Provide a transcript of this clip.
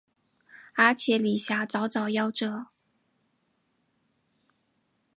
而且李遐早早夭折。